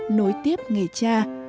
nối tiếp nghề cha